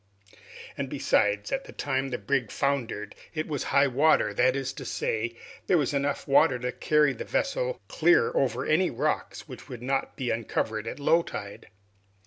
And besides, at the time the brig foundered, it was high water, that is to say, there was enough water to carry the vessel clear over any rocks which would not be uncovered at low tide.